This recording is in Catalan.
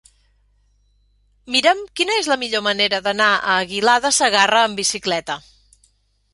Mira'm quina és la millor manera d'anar a Aguilar de Segarra amb bicicleta.